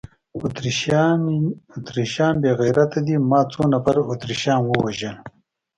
اتریشیان بې غیرته دي، ما څو نفره اتریشیان ووژل؟